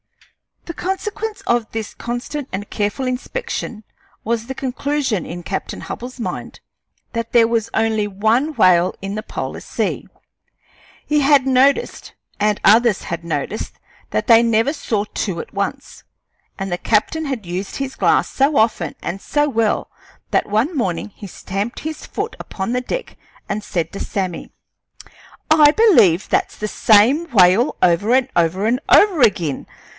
The consequence of this constant and careful inspection was the conclusion in Captain Hubbell's mind that there was only one whale in the polar sea. He had noticed, and others had noticed, that they never saw two at once, and the captain had used his glass so often and so well that one morning he stamped his foot upon the deck and said to Sammy: "I believe that's the same whale over and over and over ag'in.